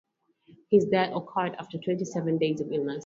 His death occurred after twenty seven days of illness.